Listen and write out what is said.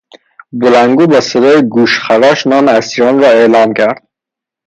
بلندگو با صدای گوشخراش نام اسیران را اعلام کرد.